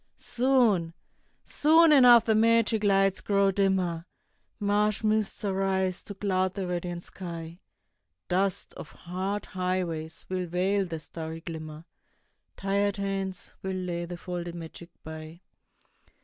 Soon, soon enough the magic lights grow dimmer, Marsh mists arise to cloud the radiant sky, Dust of hard highways will veil the starry glimmer, Tired hands will lay the folded magic by.